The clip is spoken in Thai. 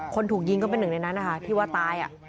คนถูกยิงก็เป็นหนึ่งในนั้นนะคะที่ว่าตาย